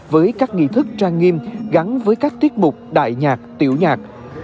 với các nghị thức trang nghiêm gắn với các tiết mục đại nhạc tiểu nhạc